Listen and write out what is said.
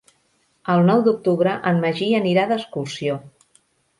El nou d'octubre en Magí anirà d'excursió.